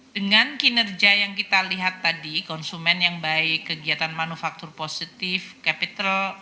dengan kinerja yang kita lihat tadi konsumen yang baik kegiatan manufaktur positif capital